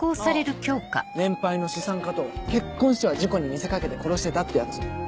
あぁ年配の資産家と結婚しては事故に見せ掛けて殺してたってやつ。